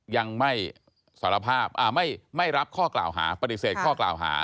ยังไม่สารภาพไม่รับข้อกล่าวหาปฏิเสธข้อกล่าวหา